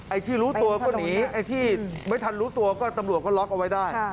ที่รู้ตัวก็หนีไอ้ที่ไม่ทันรู้ตัวก็ตำรวจก็ล็อกเอาไว้ได้